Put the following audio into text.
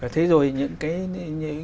thế rồi những cái